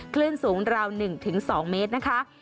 คลื่นสูงราว๑๒เมตรนะคะ